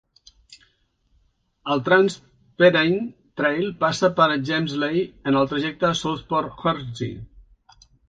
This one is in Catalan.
El Trans Pennine Trail passa per Gamesley en el trajecte de Southport a Hornsea.